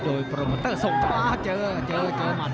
ด้วยโปรโมเตอร์ทรงป้าเจอมัน